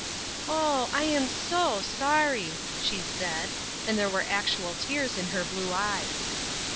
"Oh, I am so sorry!" she said, and there were actual tears in her blue eyes.